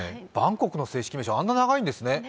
バンコクの正式名称、あんな長いんですね。